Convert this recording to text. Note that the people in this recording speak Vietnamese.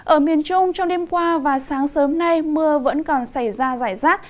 ở miền trung trong đêm qua và sáng sớm nay mưa vẫn còn xảy ra rải rác